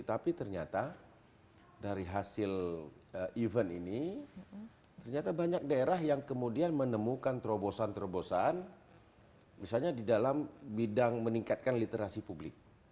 tapi ternyata dari hasil event ini ternyata banyak daerah yang kemudian menemukan terobosan terobosan misalnya di dalam bidang meningkatkan literasi publik